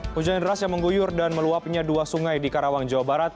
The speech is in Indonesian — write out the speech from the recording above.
hujan deras yang mengguyur dan meluapnya dua sungai di karawang jawa barat